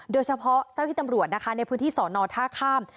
เจ้าที่ตำรวจนะคะในพื้นที่สอนอท่าข้าม